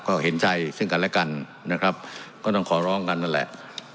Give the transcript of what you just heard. ก็เห็นใจซึ่งกันและกันนะครับก็ต้องขอร้องกันนั่นแหละ